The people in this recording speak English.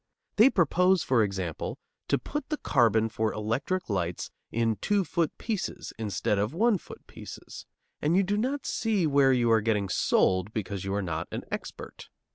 They propose, for example, to put the carbon for electric lights in two foot pieces instead of one foot pieces, and you do not see where you are getting sold, because you are not an expert.